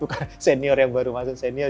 bukan senior yang baru masuk senior